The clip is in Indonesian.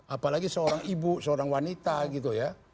apalagi seorang ibu seorang wanita gitu ya